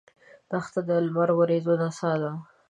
دښته د لمر وریځو نڅا ده.